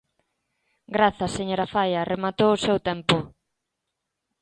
Grazas, señora Faia, rematou o seu tempo.